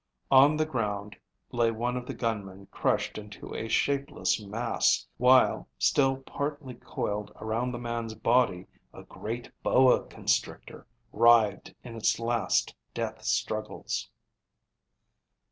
On the ground lay one of the gunmen crushed into a shapeless mass, while, still partly coiled around the man's body, a great boa constrictor writhed in its last death struggles.